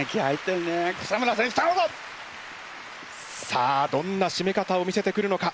さあどんなしめ方を見せてくるのか？